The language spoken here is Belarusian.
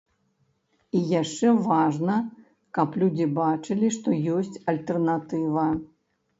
І яшчэ важна, каб людзі бачылі, што ёсць альтэрнатыва.